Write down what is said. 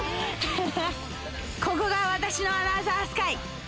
ここが私のアナザースカイ。